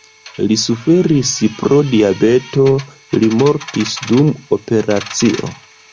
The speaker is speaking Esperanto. Li suferis pro diabeto, li mortis dum operacio.